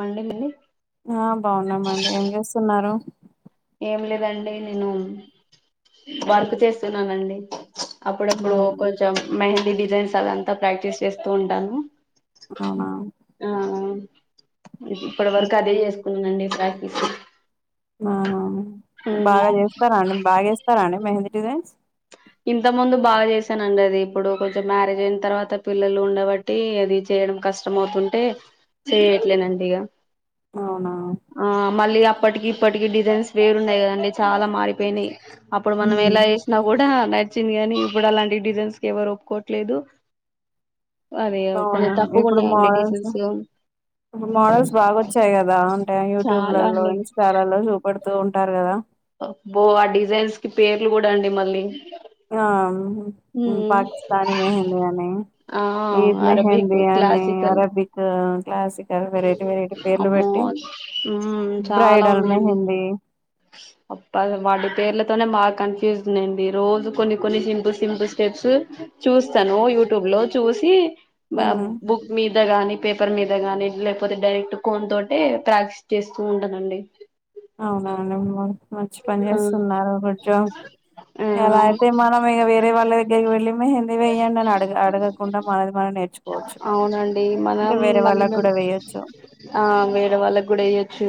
మడి విడి [unintelligible] ఆ బాగున్నామండి ఏం చేస్తున్నారు ఏం లేదండి నేను వర్క్ చేస్తున్నానండి అప్పుడప్పుడు కొంచెం మెహందీ డిజైన్స్ అదంతా ప్రాక్టీస్ చేస్తూ ఉంటాను అవునా ఆ ఇప్పటి వరకు అదే చేసుకున్నానండి ప్రాక్టీస్ ఆ ఉమ్ బాగా చేస్తారా అండి బాగా వేస్తారాండి మెహంది డిజైన్స్ ఇంతకు ముందు బాగా చేశానండి అది ఇప్పుడు కొంచెం మ్యారేజ్ అయిన తర్వాత పిల్లలు ఉండబట్టి అది చే కష్ట మవుతుంటే చేయట్లేదండి ఇగ అవునా ఆ మళ్ళీ అప్పటికి ఇప్పటికి డిజైన్స్ వేరున్నాయి కదండి చాలా మారిపోయినాయి అప్పుడు మనం హ్మ్. ఎలా వేసినా కూడా నచ్చింది గానీ ఇప్పుడు అలాంటి డిజైన్స్ కి ఎవరు ఒప్పుకోట్లేదు అదే కొన్ని అవునా తప్పుగా ఉన్నాయండి డిజైన్స్ లో ఇపుడు మోడల్స్ బాగోచ్చాయి కదా అంటే చాలా యూట్యూబ్లలో అండి ఇన్స్టలలో చుపే తూ ఉంటారు కదా బో ఆ డిజైన్స్ కి పేర్లు కూడా అండి మళ్ళీ ఆ ఉమ్ పాకిస్తాని మెహంది అని ఆ ఈద్ అరబిక్ మెహంది అని classical Arabic classical variety variety పేర్లు అమ్మో పెట్టి ఉమ్ చాలా బ్రైడల్ ఉన్నాయండి మెహందీ అబ్బా వాటి పేర్లతోనే మా కన్ఫ్యూజ్న్ అండి రోజు కొన్ని కొన్ని సింపుల్ సింపుల్ స్టెప్స్ చూస్తాను యూట్యూబ్ లో చూసి బా ఉమ్ బుక్ మీద గానీ పేపర్ మీద గాని లేకపోతే డైరెక్ట్ కోన్ తోటే ప్రాక్టీస్ చేస్తూ ఉంటానండి అవునా మంచి పని ఆ చేస్తున్నారు కొంచం ఆ ఎలా అయితే మనం ఇగ వేరే వాళ్ళ దగ్గరకు వెళ్ళి మెహందీ వేయ్యడి అని అడగ అడగకుండా మనది మనం నేర్చుకోవచ్చు అవునండి ఇంకా మనం వేరే మళ్ళీ వాళ్ళకి మేము కూడా వేయొచ్చు ఆ వేరే వాళ్ళకి కూడా వేయ్యొచ్చు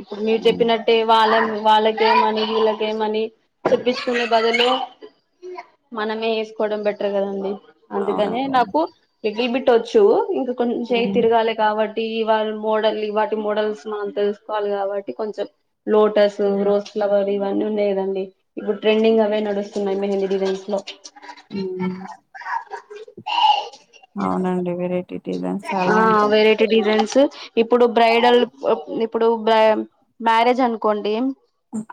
ఇప్పుడు మీరు ఉమ్, చెప్పినట్టే వా ళ్ళ వాళ్ళకేమని వీళ్ళకేమని చెప్పించుకునే బదులు మనమే వేసుకోవడం బేట కదండి అందుకని అవునండి నాకు లిటిల్ బిట్ వచ్చు ఇంక కొంచెం ఉమ్, తిరగాలి కాబట్టి ఈ వాళ్ళ మోడల్ బట్టి మోడల్స్ మనం తెలుసుకోవాలి కాబట్టి కొంచెం లోటస్ ఉమ్, రోజ్ ఫ్లవర్ ఇవన్నీ ఉండే కదండి ఇప్పుడు ట్రెండింగ్ అవే నడుస్తున్నాయి మెహందీ డిజెన్స్ లో ఊ అవునండి వెరైటీ డిజైన్స్ చాలా ఆ ఉంటాయి వెరైటీ డిజైన్స్ ఇప్పుడు బ్రైడల్ ఇప్పుడు మ్యారేజ్ అనుకోండి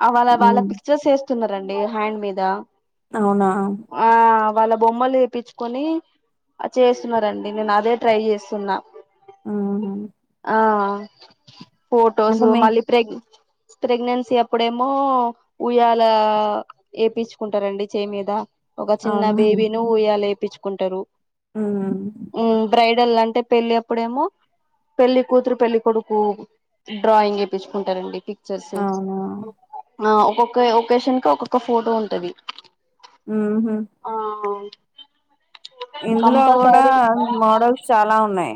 అ వాళ వాళ్ళ ఉమ్, పిక్చర్స్ వేస్తున్నారండి హ్యాండ్ మీద అవునా ఆ వాళ్ళ బొమ్మలు వేపించుకొని చేస్తున్నారండి నేను అదే ట్రై చేస్తున్నా ఉమ్, ఆ ఫోటోస్ అంటే మీ మళ్ళీ ప్రెగ్ ప్రెగ్నెన్సీ అప్పుడేమో ఉయ్యాల వేపించుకుంటారండి చేయి మీద ఒక చిన్న అవునా బేబీ ను ఉయ్యాల వేపించుకుంటారు ఉమ్, ఊ బ్రైడల్ అంటే పెళ్ళి అప్పుడేమో పెళ్లి కూతురు పెళ్లి కొడుకు డ్రాయింగ్ వేపించుకుంటారండి చర్స్ అవునా ఆ ఒక్కొక్క ఒకేషన్ కి ఒక్కొక్క ఫోటో ఉంటది ఉహు ఆ ఇందులో కూడా కంపల్సరీ మోడల్స్ చాలా ఉన్నాయి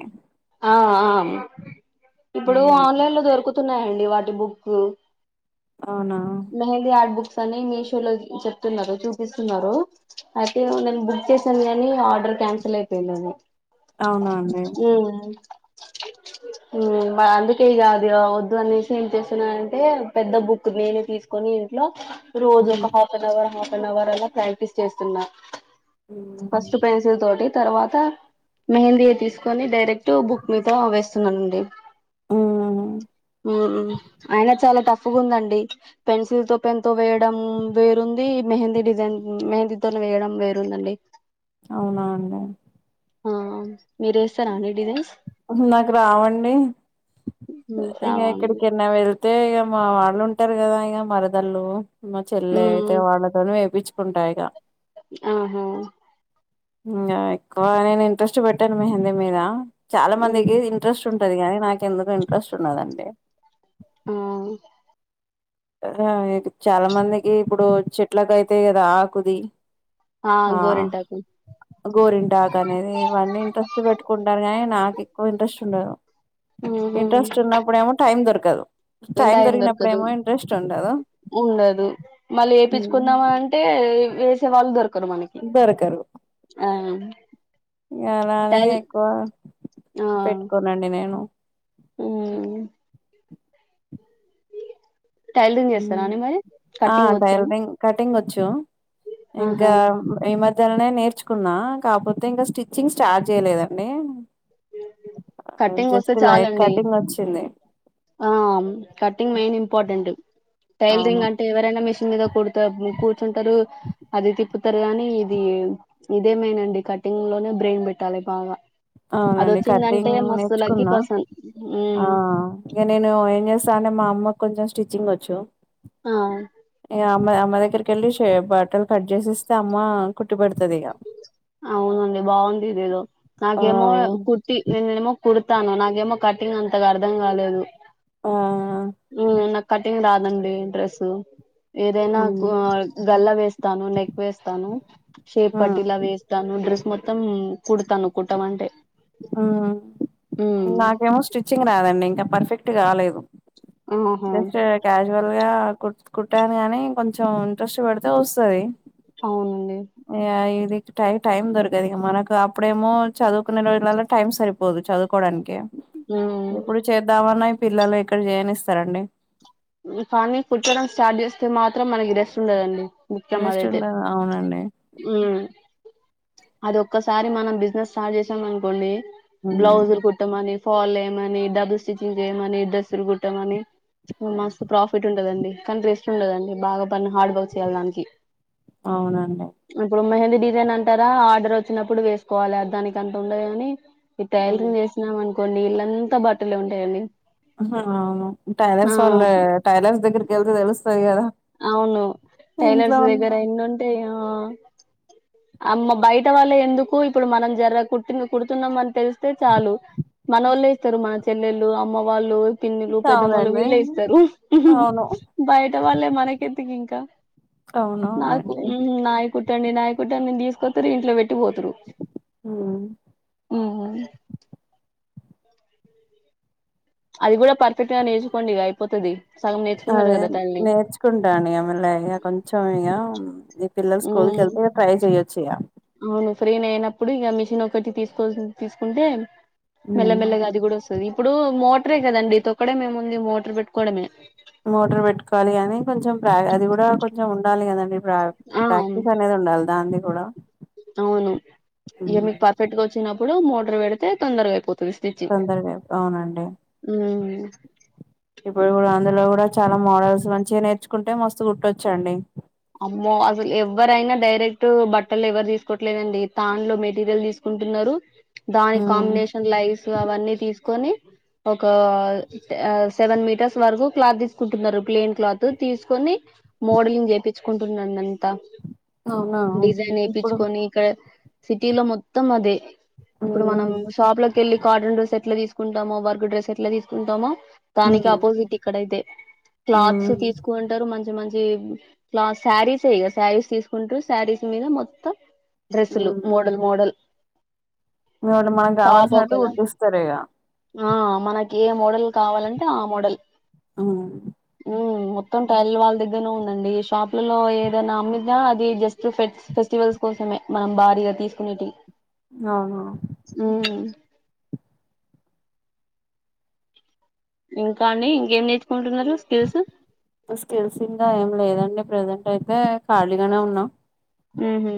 ఆఆ ఇప్పుడు ఉమ్, ఆన్లైన్ లో దొరుకుతున్నాయండి వాటి బుక్ అవునా మెహంది ఆర్ట్ బుక్ అని మీషోలో చెప్తున్నారు చూపిస్తున్నారు అయితే నేను బుక్ చేసాను కాని ఆర్డర్ క్యాన్సల్ అయిపోయిదండి అవునా అండి ఊ అందుకే ఇగ వద్దు అనేసి ఏం చేస్తున్నాంటే పెద్ద బుక్ నేనే తీసుకొని ఇంట్లో రోజు ఉమ్. ఒక half an hour half an hour అలా ప్రాక్టీస్ చేస్తున్నా ఫస్ట్ పెన్సిల్ తోటి తర్వాత మెహందీ తీసుకొని డైరెక్ట్ బుక్ మీద వేస్తున్నానండి ఉమ్ అయినా చాలా టఫ్ గా ఉందండి పెన్సిల్ త పెన్తో వేయడం వేరుంది మెహందీ డిజైన్ మెహందీతో వేయడం వేరుందండి అవునా అండి ఆ మీరు వేస్తారండి డిజైన్స్ నాకు రావండి ఉమ్ ఇంకా రావా అండి ఎక్కడికైనా వెల్ అయితే ఇగ మా వాళ్ళు ఉంటారు కదా ఇక మరదల్లు మా చెల్లె ఉమ్ అయితే వాళ్ళతోనే వేపించు ఉంట ఇగా అహో ఇంగ ఎక్కువ నేను ఇంట్రెస్ట్ పెట్టను మెహందీ మీద చాలా ఉమ్ మందికి ఇంట్రెస్ట్ ఉం టాది కానీ నాకెందుకో ఇంట్రెస్ట్ ఉండదండి ఆ చాలా మందికి ఇప్పుడు చెట్లకు అయితయి కదా ఆకుది ఆ గోరింటాకు గోరింటాకు అనేది ఇవన్నీ ఇంట్రెస్ట్ పెట్టుకుంటారు కానీ నాకు ఎక్కువ ఇంట్రెస్ట్ ఉండదు ఉహు ఇంట్రెస్ట్ ఉన్నప్పుడు ఏమో టైం దొరకదు టైం దొరికినప్పుడు ఏమో ఉండదు మళ్ళీ ఏపీచుకుందాం అంటే వేసే వాళ్ళు దొరక కరు మనకి ఆ ఇ అలానే టైల్ ఎక్కువ పెట్టుకోననండి నేను హ్మ్ టైలరింగ్ హ్మ చేస్తారా అండి మరి ఆ కటింగ్ వచ్చా టైలరింగ్ కట్ కటింగ్ వచ్చు ఆహా ఇంకా ఈ మద్ లనే నేర్చుకున్నా కాకపోతే ఇంకా స్టిచ్చింగ్ స్టార్ట్ చేయలేదండి కట్టింగ్ వస్తే జస్ట్ లైట్ చాలండి కటింగ్ వచ్చింది ఆ కటింగ్ మెయిన్ ఇంపార్టెంట్ అవును టైలరింగ్ అంటే ఎవరైనా మి మీద కుడుత కూర్చుంటారు అది తిప్పుతారు కానీ ఇది ఇదే మెయిన్ ఆండీ కట్ ఇంగ్ లోనే బ్రెయిన్ పెట్టాలి బాగా అవునండి అదొచ్చిందంటే కటింగ్ మస్తు లక్కీ నేర్చుకున్నా పర్సన్ ఆ ఉమ్ ఇంక నేను ఏం చేస్తా అంటే మా అమ్మకు కొంచెం స్టిచ్చింగ్ వచ్చు ఆ ఇక అమ్మ అమ్మ దగ్గరికి వెళ్ళి షే బట్టలు కట్ చేసిస్తే అమ్మ కు అవునండి బాగుంది ఇదేదో ఆ నాకేమో కుట్టి నేనేమో కుడతాను నాకేమో కటింగ్ అంతగా అర్థం కాలేదు ఆ ఆ హ్మ నాకు కటింగ్ రాద్ అండి డ్రెస్ ఏదైనా కు గల్ల వేస్తాను నెక్ వేస్తాను షేప్ ఆ పట్టి లవి ఏస్తాను డ్రెస్ మొత్తం కుడతాను కుట్టమంటే హ్మ ఉమ్ నాకేమో స్టిచ్చింగ్ రాదండి ఇంకా పర్ఫెక్ట్ కాలేదు ఆహా జస్ట్ క్యాస్యువల్ గా కు కుట్టాను కాని కొంచెం ఇంట్రెస్ట్ పెడితే వస్తది అవునండి ఇగ టై టైం దొరకదు ఇక మనకు అప్పుడేమో చదువుకునే రోజులలో టైం సరిపోదు చదువుకోడానిక్ కి ఉమ్ ఇప్పుడు చేద్దామన్నా ఈ పిల్లలు ఎక్కడ చేయనిస్తారండి కానీ కుట్టడం స్టార్ట్ చేస్తే మాత్రం మనకి రెస్ట్ ఉండదండి ముఖ్యం రెస్ట్ అదయితే ఉండదు అవునండి హు అది ఒక్కసారి మనం బిజినెస్ స్టార్ట్ చేసాం అనుకోండి ఉమ్, బ్లౌజులు కుట్టమని ఫాల్ ఏమని డబుల్ స్టిచింగ్స్ చేయమని డ్రెస్లు కుట్టమని హ్మ మస్తు ప్రాఫిట్ ఉంటదండి కానీ రెస్ట్ ఉండదండి బాగా పని హార్డ్ వర్క్ చేయాలి దానికి అవునండి ఇప్పుడు మెహందీ డిజైన్ అంటారా ఆర్డర్ వచ్చినప్పుడు వేసుకోవాలి అ దానికి అంత ఉండదు కాని ఈ ఉమ్, టైలరగ్ చేసినాం అను కొండి ఇళ్ళంతా బట్టలే ఉంటాయండి హా అవును ఆ టైలర్స్ వాళ్ళ టైలర్స్ దగ్గరకి ఏళ్తు తెలూస్ అవును టైలర్స్ ఉన్న దగ్గర ఎన్ని ఉంటాఏమో అమ్మ బయట వాళ్ళ ఎందుకు ఇప్పుడు మనం జరగ కుట్టి కుడుతున్నాం అని తెలిస్తే చాలు మనోళ్లే ఇస్తారు మన చెల్లెళ్ళు అమ్మ వాళ్ళు పిన్నీలు పెద్దఅమ్మలు అవునండి వీళ్ళే ఇస్తారు అవును బయట వాళ్ళే మనకెంతకి ఇంకా నాకు అవునవునండి హ్మ్ నాయకు కట్టండి నాయకట్టండి నేను తీసుకొతారు ఇంట్లో పెట్టి పోతారు ఉమ్ హుహు అది కూడా పర్ఫెక్ట్ గా నేర్చుకోండి ఇక అయిపోతది సగం నేర్చుకున్నారు అదే కదా టైలరింగ్ నేర్చుకుంటాను ఇగ మల్ల ఇక కొంచెం ఇగా నీ పిల్లలు స్కూల్కి ఉమ్ వెళ్తే ట్రై చెయొచ్చయా ఇగ ఇప్పుడు ఇక మిషన్ ఒకటి తీసుకోల్సి తీసుకుంటే మెల్లమెల్లగా అది కూడా వస్తు ది ఇప్పుడు మోటరే కదండి తొక్కడం ఏం ఉంది మోటర్ పెట్టుకోవడమే మోటర్ పెట్టుకోవాలి గానీ కొంచెం ప్ర అది కూడా కొంచెం ఉండాలి కదండి ప్రా ఆ అవును ప్రాక్టీస్ అనేది ఉండాలి దానిది కూడా అవును ఇగా ఉమ్. మీకు పర్ఫెక్ట్ గా వచ్చినప్పుడు మోటర్ పెడితే తొందరగా అయిపోత్ తొందరగా అయిపో అవునండి ఉమ్. ఇప్పుడు కూడా అందులో కూడా చాలా మోడల్స్ మంచిగా నేర్చుకుంటే మస్తు కుట్టొచ్చండి అమ్మో అసలు ఎవరైనా డైరెక్ట్ బట్టలు ఎవరు తీసుకోవట్లేదండి తాన్లో మెటీరియల్ తీసుకో ఉంటున్నరు దాని ఉమ్ కాంబినేషన్ లైవ్స్ అవన్నీ తీసుకొని ఒక సెవెన్ మీటర్స్ వరకు క్లాత్ తీసుకుంటున్నారు ప్లెయిన్ క్లాత్ తీసుకొని మోడలింగ్ చేపిచుకుంటున్నానంత అవునా డిజైన్ ఇప్పుడు ఏపిచుకొని ఇక్కడ సిటీ లో మొత్తం అదే ఇప్పుడు మనం ఉమ్ షాప్ లోకి వెళ్ళి కాటన్ డ్రస్ ఎట్లా తీసుకుంటామో వర్క్ డ్రస్ ఎట్లా తీసుకుంటామో దానికి ఉమ్ ఆపోజిట్ ఇక్కడ ఐతే క్లాత్స్ ఉమ్ తీసుకుంటారు మంచి మంచి క్లాత్ శారీస్ ఏ ఇగ శారీస్ తీసుకుంటూ శారీస్ మీద మొత్తం డ్రెస్సులు ఉమ్ మోడల్ మోడల్ వాళ్ళు మనం టాప్ కావాల్సినట్టు ఒకలా కుట్టిస్తరు ఇగ ఆ మనకి ఏ మోడల్ కావాలంటే ఆ మోడల్ అవున్ మొత్తం టైల్ వాళ్ళ దగ్గరనే ఉందండి ఏష్ షాపులల ఏదైనా అమ్మినా అది జస్ట్ ఫ ఫెస్టివల్స్ కోసమే మనం భారీగా తీసుకునేటివి అవునా ఇంకా అండి ఇంకేం నేర్చుకుంటున్నారు స్కిల్స్ స్కిల్స్ ఇంకా ఏం లేదండి ప్రెజెంట్ అయితే ఖాళీగానే ఉన్నాం ఉహు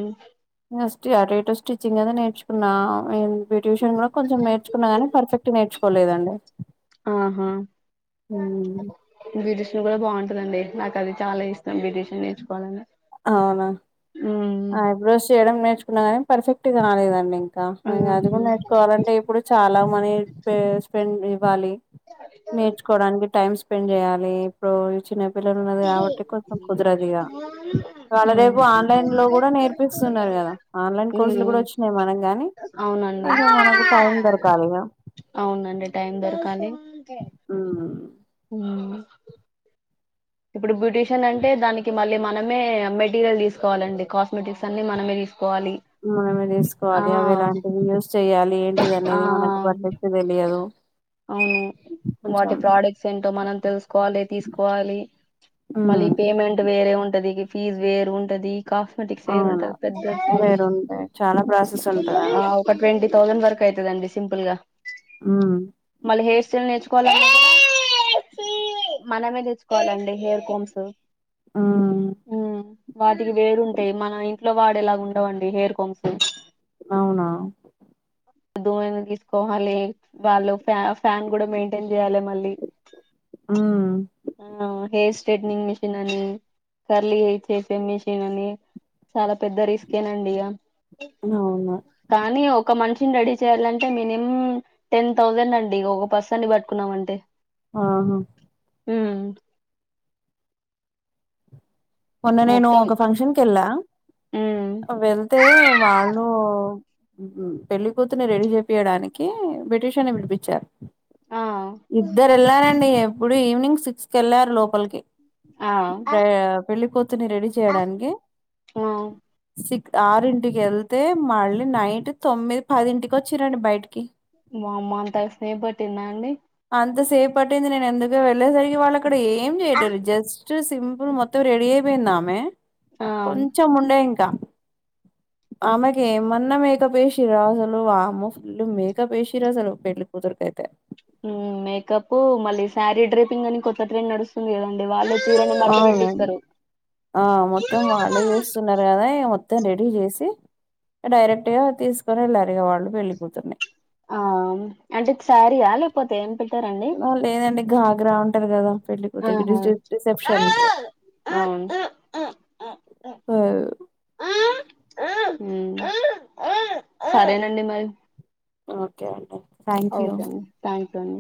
నెస్ట్ అటు ఇటు స్టిచింగ్ అనే నేర్చుకున్న బ్యూటిషన్ కూడా కొంచెం నేర్చుకున్నా గాని పర్ఫెక్ట్ ట్ నేర్చుకోలేదండి ఆహా బ్యూటిషియన్ కూడా బా దండి నాకు అది చాలా ఇష్టం బ్యూటీషన్ నేర్చుకోవాలని అవునా ఉమ్ ఐబ్రోస్ చేయడం నేర్చుకున్నా కానీ పర్ఫెక్ట్గా రాలేదండి ఇంకా అది ఉహు కూడా నేర్చుకోవాలంటే ఇప్పుడు చాలా మనీ పె స్పెండ్ ఇవ్వాలి నేర్చుకోవడానికి టైమ్ స్పెండ్ చేయాలి ఇప్పుడు చిన్న పిల్లలు ఉన్నరు కాబట్టి కొంచెం కుదరదు ఇగా అమ్మ ఇవాళ్ళ రేపు ఆన్లైన్ లో కూడా నేర్పిస్తున్నారు కదా ఆన్లైన్ కోర్సులు కూడా ఉమ్ వచ్చినయి మనం గాని అవునండి కొంచం మనకు టైం దొరకాలిగా అంటే టైం దొరకాలి ఊ ఊ ఇప్పుడు బ్యూటీషియన్ అంటే దానికి మళ్ళీ మనమే మెటీరియల్ తీసుకోవాలండి కాస్మెటిక్స్ అన్ని మనమే తీసుకోవాలి మనమే ఆ తీసుకోవాలి అవి ఎలాంటివి యూస్ చెయ్యా లి ఏంటిది ఆ అనేది మనకు పర్ఫెక్ట్ తెలియదు అవును కొంచెం వాటి ప్రొడక్ట్స్ ఏంటో మనం తెలుసుకోవాలి తీసుకోవాలి ఉమ్ మళ్ళీ పేమెంట్ వేరే ఉంటది ఫీజ్ వేరు ఉంటది కాస్మెటిక్ సేర్ అవును ఉంటది పెద్దది వేరుంటాయి చాలా ప్రాసెస్ ఆ ఉంటదండి ఒక ట్వంటీ థౌసండ్ వరకు ఐతదండి సింపుల్ గా ఆ మళ్ళ హెయిర్ స్టైల్ నేర్చుకోవాలన్న కూడా మనమే తెచ్చుకోవాలండి హెయిర్ కోమ్స్ ఊ ఉమ్ వాటికి వేరుంటాయి మన ఇంట్లో వాడేలాగ ఉండవండి హెయిర్ కోమ్స్ అవునా దోవ్వేన తీసుకోవాలి వాళ్ళు ఫ్యా ఫ్యాన్ కూడా మెయింటైన్ చేయాలి మళ్ళీ ఉమ్ ఆ హెయిర్ స్ట్రేట్నింగ్ మిషిన్ అని కర్లీ హెయిర్ చేసే మిషిన్ అని చాలా పెద్ద రిస్కేనండి ఇగ అవును కానీ ఒక మనిషిని రెడీ చేయ్యాలంటే మినిమం టెన్ థౌసండ్ అండి ఒక పర్సన్ ని పట్టుకున్నామంటే ఆహా హు మొన్న నేను మొత్తం ఒక ఫంక్షన్ క వెళ్ళా ఉమ్ వెళ్తే వాళ్ళు పెళ్లికూతుని రెడీ చెపియడానికి బ్యూటీ సియాన్ ని పిలిపించారు ఆ ఇద్దరు ఎళ్లారండి ఎప్పుడు ఈవినింగ్ సిక్స్ కి వెళ్ళారు లోపలికి ఆ పెళ్లికూతురిని రెడీ చేయడానికి ఆ సి ఆరింటికి వెళ్తే మళ్ళీ నైట్ తొమ్మిది పదింటికి వచ్చిరండి బయటికి మా అమ్మ అంతా సేపు పట్టిందా అండి అంత సేఫ్ పట్టింది నేను ఎందుకు వెళ్ళేసరికి వాళ్ళు అక్కడ ఏం చేయ్యారు జస్ట్ సింపుల్ మొత్తం రెడీ అయి [unintelligible] ఆమె ఆ కొంచెం ఉండే ఇంక ఆమెకి ఏమన్నా మేక్ అప్ ఎసిర అసలు వామ్మో ఫుల్ మేకప్ ఎస్సీరు అసలు పెళ్ళి కూ [unintelligible] మేకప్ మళ్ళీ శారీ డ్రైపింగ్ అని కొత్త ట్రెండ్ నడుస్తుంది కదండి వాళ్ళే చీరని మడత అవునం పెట్టిస్తారు ఆ మొత్తం వాళ్ళే చేస్తున్నారు కదా మొ త్తం రెడీ చేసి డైరెక్ట్ గా తీసుకొని వెళ్లరిగా వాళ్ళు పెళ్ళి కూతుర్ని ఆ అంటే శారీయా లేకపోతే ఎం లేదండి [unintelligible] అంటారు కదా పెళ్లి కూతురికి ఆహా రిసెప్షన్ కి అవును [unintelligible] సరేనండి మరి ఓకే అండి థ్యాంక్ యూ. ఓకే అండి థ్యాంక్ యూ అండి